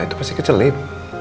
itu pasti kecelip